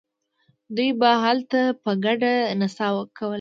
دوی به هلته په ګډه نڅاوې کولې.